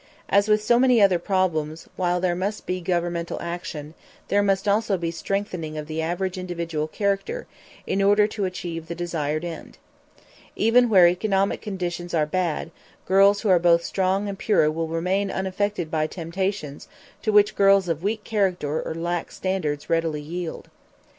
As with so many other problems, while there must be governmental action, there must also be strengthening of the average individual character in order to achieve the desired end. Even where economic conditions are bad, girls who are both strong and pure will remain unaffected by temptations to which girls of weak character or lax standards readily yield.